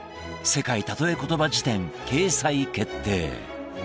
「世界たとえコトバ辞典」掲載決定！